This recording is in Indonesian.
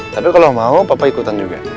tapi kalau mau papa ikutan juga